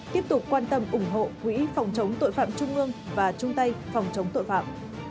tiếp tục quan tâm ủng hộ quỹ phòng chống tội phạm trung ương và chung tay phòng chống tội phạm